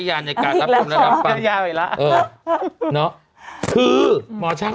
ข้าถั่วจ้ะ